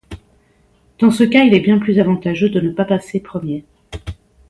Dans ce cas il est bien plus avantageux de ne pas passer premier.